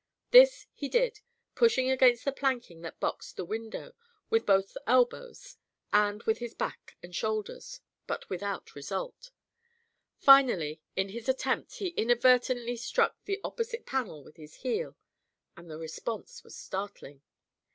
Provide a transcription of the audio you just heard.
This he did, pushing against the planking that boxed the window, with both elbows and with his back and shoulders, but without result. Finally, in his attempts, he inadvertently struck the opposite panel with his heel, and the response was startling.